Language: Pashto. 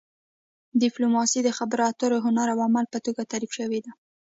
ډیپلوماسي د خبرو اترو هنر او عمل په توګه تعریف شوې ده